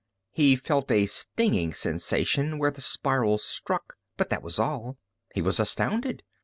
He felt a stinging sensation where the spiral struck, but that was all. He was astounded.